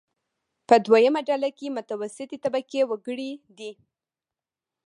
په دویمه ډله کې متوسطې طبقې وګړي دي.